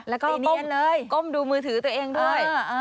แล้วก็ก้มดูมือถือตัวเองด้วย